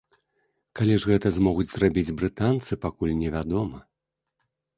Калі ж гэта змогуць зрабіць брытанцы, пакуль не вядома.